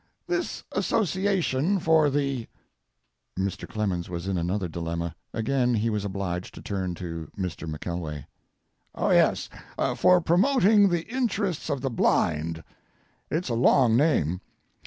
"This association for the—" [Mr. Clemens was in another dilemma. Again he was obliged to turn to Mr. McKelway.] Oh yes, for promoting the interests of the blind. It's a long name.